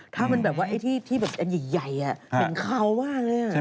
ถ้ามันแบบไอ้ที่แบบอันใหญ่เป็นขาวบ้างเลย